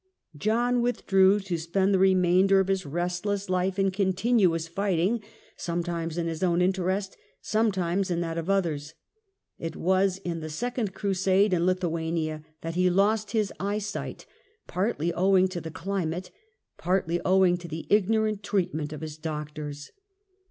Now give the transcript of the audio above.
John John of withdrew to spend the remainder of his restless life in leavesiLiy continuous fighting, sometimes in his own interest, sometimes in that of others. It was in a second crusade in Lithuania that he lost his eyesight, partly owing to the climate, partly owing to the ignorant treatment of his doctors.